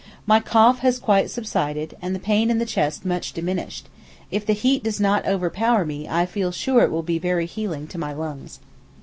My cough has quite subsided, and the pain in the chest much diminished; if the heat does not overpower me I feel sure it will be very healing to my lungs.